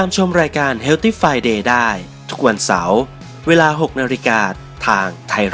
กำหนักเขาเยอะครับอ่า